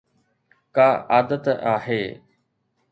ڪا عادت آهي.